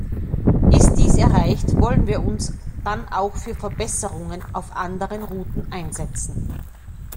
Ist dies erreicht, wollen wir uns dann auch für Verbesserungen auf anderen Routen einsetzen.